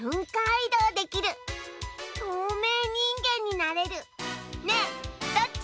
いどうできるとうめいにんげんになれるねえどっち？